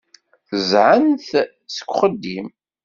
Ẓẓɛen-t seg uxeddim.